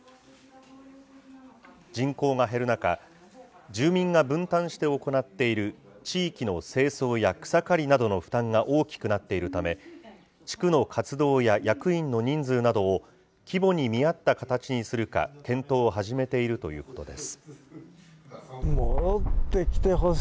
人口が減る中、住民が分担して行っている地域の清掃や草刈りなどの負担が大きくなっているため、地区の活動や役員の人数などを、規模に見合った形にするか検討を始めているということです。